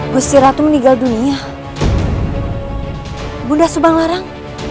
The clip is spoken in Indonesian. gusti ratu meninggal dunia bunda subanglarang